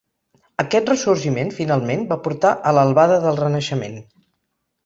Aquest ressorgiment, finalment, va portar a l'albada del Renaixement.